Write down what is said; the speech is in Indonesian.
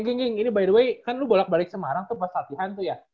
gingging ini by the way kan lu bolak balik semarang tuh pas latihan tuh ya